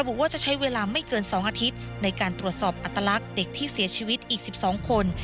บอกว่าจะใช้เวลาไม่เกิน๒อาทิตย์ในการตรวจสอบอัตลักษณ์เด็กที่เสียชีวิตอีก๑๒คน